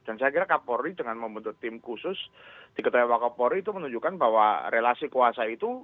dan saya kira kapolri dengan membentuk tim khusus diketahui oleh kapolri itu menunjukkan bahwa relasi kuasa itu